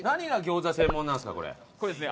これですね